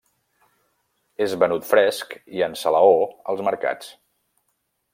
És venut fresc i en salaó als mercats.